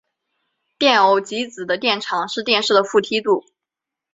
电偶极子的电场是电势的负梯度。